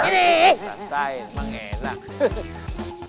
rasain emang enak